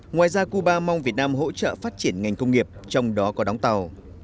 ngoài ra cuba mong việt nam hỗ trợ phát triển ngành công nghiệp trong đó có đóng tàu